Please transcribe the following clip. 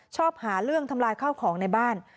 ชอบหาเรื่องทำลายข้าวของในบ้าน